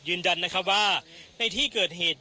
ยืนดันว่าในที่เกิดเหตุ